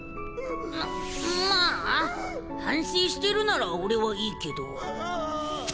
ままあ反省してるなら俺はいいけど。